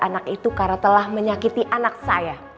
karena anak itu karena telah menyakiti anak saya